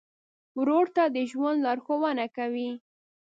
ورور ته د ژوند لارښوونه کوې.